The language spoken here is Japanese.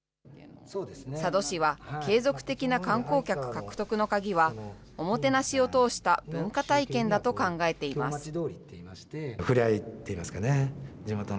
佐渡市は、継続的な観光客獲得の鍵は、おもてなしを通した文化体験だと考えています。